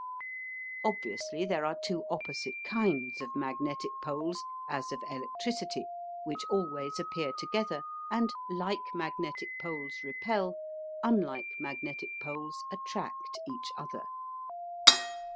Obviously there are two opposite kinds of magnetic poles, as of electricity, which always appear together, and like magnetic poles repel, unlike magnetic poles attract each other.